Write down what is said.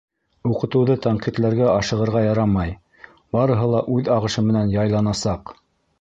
Уҡытыуҙы тәнҡитләргә ашығырға ярамай — барыһы ла үҙ ағышы менән яйланасаҡ.